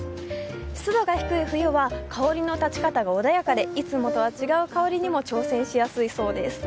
湿度が低い冬は香りの立ち方が穏やかでいつもとは違う香りにも挑戦しやすいそうです。